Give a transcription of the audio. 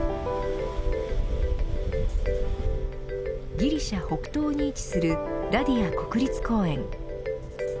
ギリシャ北東に位置するダディア国立公園。